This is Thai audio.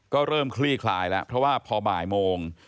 ก็เริ่มคลี่คลายแล้วเพราะว่าพอบ่ายโมง